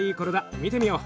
見てみよう。